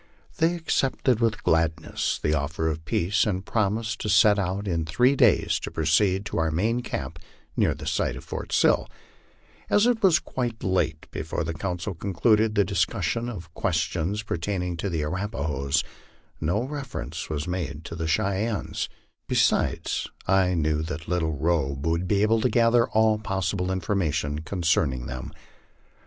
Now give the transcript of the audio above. They accepted with gladness the offer of peace, and promised to set out in three days to proceed to our main camp, near the site of Fort Sill. As it was quite late before the council concluded the discussion of questions pertaining to the Arapahoes, no reference was made to the Cheyennes ; besides, I knew LITTLE RAVEN, HEAD CHIEF OF THE A.RAPAHOES MY LIFE ON THE PLAINS. 221 that Little Robe would be able to gather all possible information concerning them.